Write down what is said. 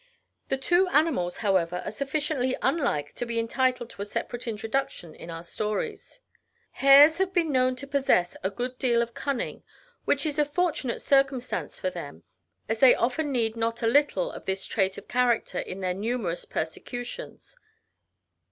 The two animals, however, are sufficiently unlike to be entitled to a separate introduction in our stories. Hares have been known to possess a good deal of cunning, which is a fortunate circumstance for them, as they often need not a little of this trait of character in their numerous persecutions.